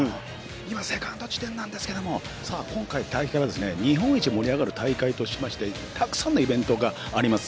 今、セカンド地点なんですけれども、今回大会は日本一盛り上がる大会としましてたくさんのイベントがあります。